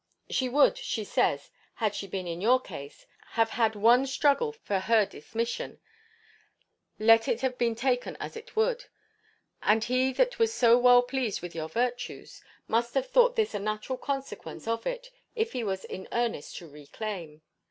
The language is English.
She would, she says, had she been in your case, have had one struggle for her dismission, let it have been taken as it would; and he that was so well pleased with your virtues, must have thought this a natural consequence of it, if he was in earnest to reclaim.